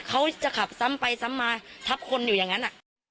เขาจะขับซ้ำไปซ้ำมาทับคนอยู่อย่างนั้น